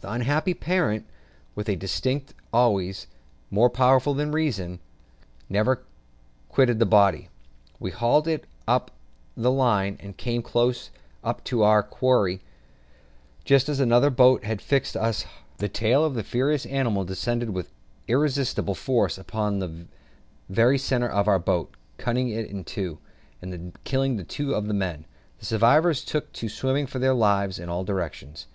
The unhappy parent, with an instinct always more powerful than reason, never quitted the body. We hauled in upon the line, and came close up to our quarry just as another boat had fixed a harpoon in the mother. The tail of the furious animal descended with irresistible force upon the very centre of our boat, cutting it in two, and killing two of the men; the survivors took to swimming for their lives in all directions.